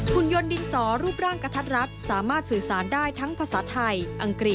คุณยนต์ดินสอรูปร่างกระทัดรัดสามารถสื่อสารได้ทั้งภาษาไทยอังกฤษ